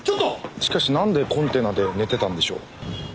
しかしなんでコンテナで寝てたんでしょう？